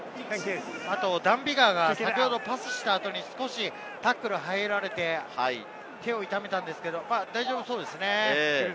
ダン・ビガーが先ほどパスした後、タックルに入られて手を痛めたんですけれど、大丈夫そうですね。